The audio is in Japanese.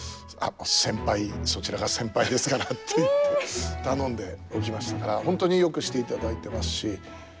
先輩そちらが先輩ですから」って言って頼んでおきましたから本当によくしていただいてますし。